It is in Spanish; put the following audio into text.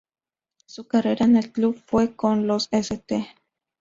Su carrera en el club fue con los St.